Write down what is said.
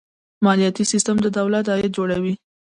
مالیاتي سیستم د دولت عاید جوړوي.